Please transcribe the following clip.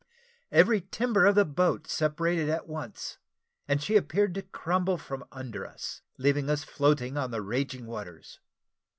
Every timber of the boat separated at once, and she appeared to crumble from under us, leaving us floating on the raging waters.